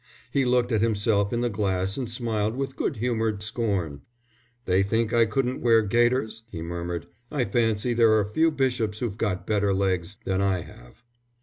He looked at himself in the glass and smiled with good humoured scorn. "They think I couldn't wear gaiters," he murmured. "I fancy there are few bishops who've got better legs than I have."